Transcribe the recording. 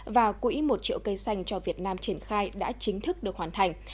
và quỹ một triệu cây xanh cho việt nam triển khai đã chính thức được hoàn thành